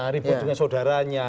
ribut dengan saudaranya